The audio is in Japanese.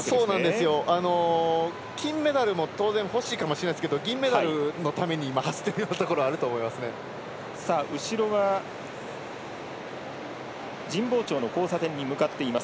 金メダルも当然欲しいかもしれないですけど銀メダルのために今走っているようなところ後ろは神保町の交差点に向かっています。